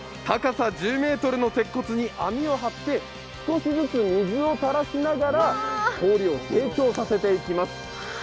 高さ１０ｍの鉄骨に網を張って少しずつ水を垂らしながら氷を成長させていきます。